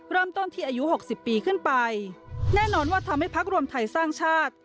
เริ่มต้นที่อายุ๖๐ปีขึ้นไปแน่นอนว่าทำให้พักรวมไทยสร้างชาติ